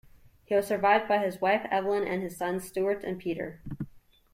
He was survived by his wife, Evelyn, and his sons Stewart and Peter.